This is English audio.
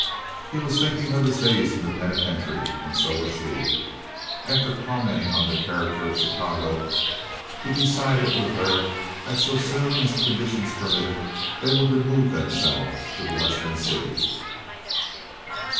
He was thinking of his days in the penitentiary, and so was she. After commenting on the character of Chicago he decided with her that so soon as conditions permitted they would remove themselves to the Western city.